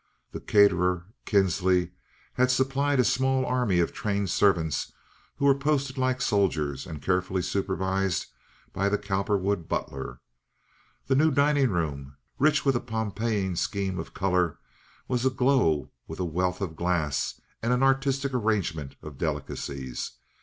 The caterer, Kinsley, had supplied a small army of trained servants who were posted like soldiers, and carefully supervised by the Cowperwood butler. The new dining room, rich with a Pompeian scheme of color, was aglow with a wealth of glass and an artistic arrangement of delicacies.